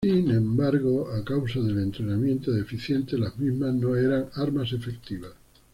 Sin embargo, a causa del entrenamiento deficiente las mismas no eran armas efectivas.